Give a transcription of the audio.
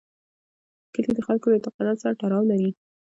کلي د خلکو له اعتقاداتو سره تړاو لري.